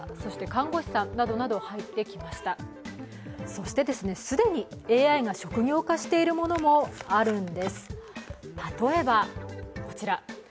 そして既にＡＩが職業化しているものもあるんです。